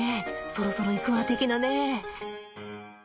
そろそろいくわ的なね。